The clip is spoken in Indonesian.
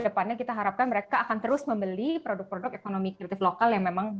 kedepannya kita harapkan mereka akan terus membeli produk produk ekonomi kreatif lokal yang memang